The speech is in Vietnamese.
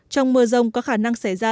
trong mưa rông có khả năng xảy ra